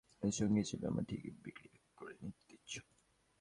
কিন্তু তুমি তো একজনের বিছানার সঙ্গী হিসেবে আমাকে ঠিকই বিক্রি করে দিচ্ছ।